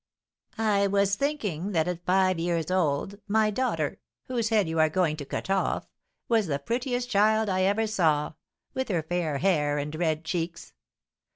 "I was thinking that at five years old my daughter, whose head you are going to cut off, was the prettiest child I ever saw, with her fair hair and red cheeks.